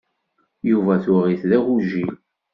Yuba tuɣ-it d agujil.